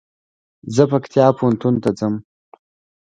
زه پکتيا پوهنتون ته ځم